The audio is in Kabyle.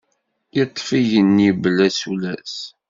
Yeṭṭef igenni bla isulas.